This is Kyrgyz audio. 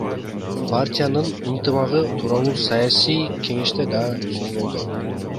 Партиянын ынтымагы тууралуу саясий кеңеште да сөз болду.